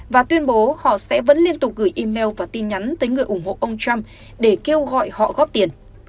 và tuyên bố họ sẽ vẫn liên tục gửi email và tin nhắn tới người ủng hộ ông trump để kêu gọi họ góp tiền